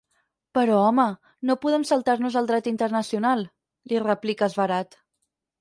Però home, no podem saltar-nos el dret internacional —li replica esverat.